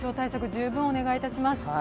十分お願いします。